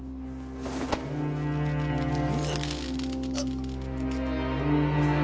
うっ。